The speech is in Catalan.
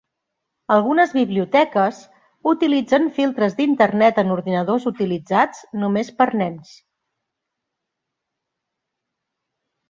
Algunes biblioteques utilitzen filtres d'Internet en ordinadors utilitzats només per nens.